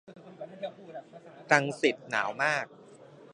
รังสิต หนาวมาก